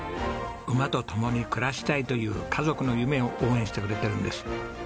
馬と共に暮らしたいという家族の夢を応援してくれているんです。